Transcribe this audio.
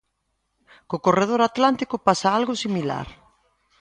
Co corredor atlántico pasa algo similar.